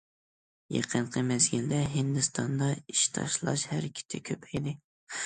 يېقىنقى مەزگىلدە ھىندىستاندا ئىش تاشلاش ھەرىكىتى كۆپەيدى.